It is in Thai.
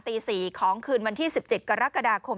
ตี๔ของคืนวันที่๑๗กรกฎาคม